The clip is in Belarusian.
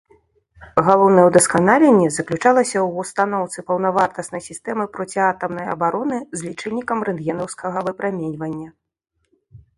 Галоўнае ўдасканаленне заключалася ў устаноўцы паўнавартаснай сістэмы проціатамнай абароны з лічыльнікам рэнтгенаўскага выпраменьвання.